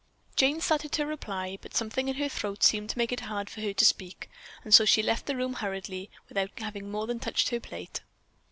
Jane started to reply, but something in her throat seemed to make it hard for her to speak, and so she left the room hurriedly without having more than touched her plate.